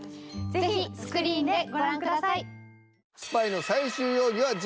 是非スクリーンでご覧ください。